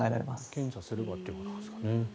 検査すればということなんですね。